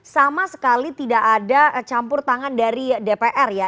sama sekali tidak ada campur tangan dari dpr ya